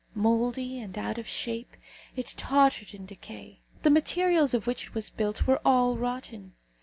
Mouldy and out of shape, it tottered in decay. The materials of which it was built were all rotten.